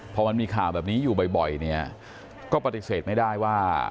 พอมันมีข่าวแบบนี้อยู่บ่อยเนี่ยก็ปฏิเสธไม่ได้ว่า